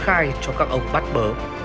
chưa phải khai cho các ông bắt bớ